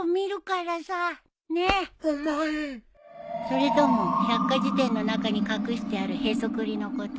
それとも百科事典の中に隠してあるへそくりのこと